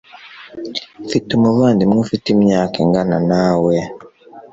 Mfite umuvandimwe ufite imyaka ingana nawe.